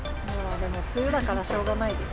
梅雨だからしょうがないです。